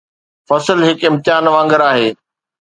فصل هڪ امتحان وانگر آهي